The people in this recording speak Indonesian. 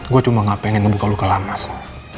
gue cuma nggak pengen ngebuka luka lama sa